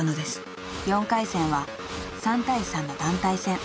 ［４回戦は３対３の団体戦］